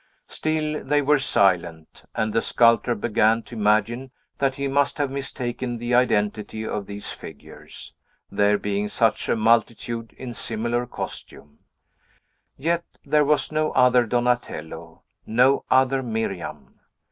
Still they were silent; and the sculptor began to imagine that he must have mistaken the identity of these figures, there being such a multitude in similar costume. Yet there was no other Donatello, no other Miriam.